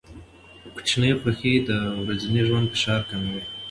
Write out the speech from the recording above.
کوچني خوښۍ د ورځني ژوند فشار کموي.